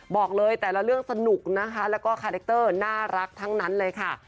บอกเลยแต่ละเรื่องสนุกนะคะแล้วก็คาแรคเตอร์น่ารักทั้งนั้นเลยค่ะ